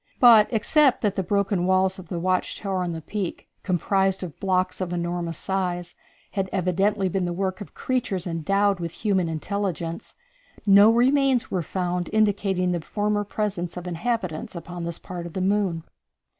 But, except that the broken walls of the watch tower on the peak, composed of blocks of enormous size, had evidently been the work of creatures endowed with human intelligence, no remains were found indicating the former presence of inhabitants upon this part of the moon.